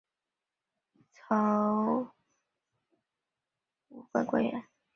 杨钾南为中国清朝武官官员。